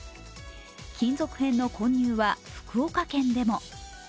金属片の混入は福岡県でも。